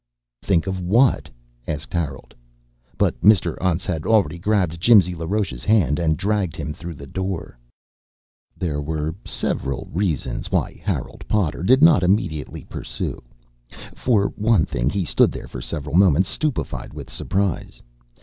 "Think of what?" asked Harold. But Mr. Untz had already grabbed Jimsy LaRoche's hand and dragged him through the door. There were several reasons why Harold Potter did not immediately pursue. For one thing he stood there for several moments stupified with surprise.